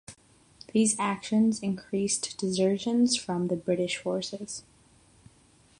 These actions increased desertions from the British forces.